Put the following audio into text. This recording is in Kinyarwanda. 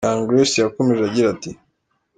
Young Grace yakomeje agira ati:.